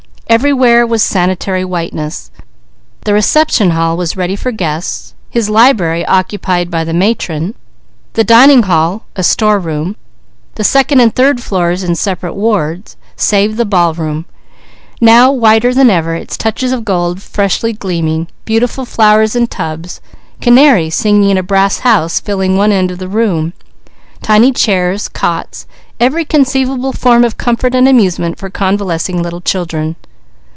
Everywhere was sanitary whiteness. The reception hall was ready for guests, his library occupied by the matron; the dining hall a storeroom, the second and third floors in separate wards, save the big ballroom, now whiter than ever, its touches of gold freshly gleaming, beautiful flowers in tubs, canaries singing in a brass house filling one end of the room, tiny chairs, cots, every conceivable form of comfort and amusement for convalescing little children.